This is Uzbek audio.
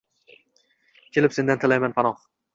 Kelib sendan tilayman panoh